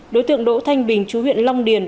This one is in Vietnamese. đối tượng đỗ thanh bình chú huyện long điền